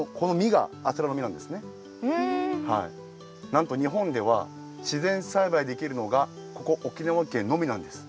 なんとにほんではしぜんさいばいできるのがここ沖縄県のみなんです。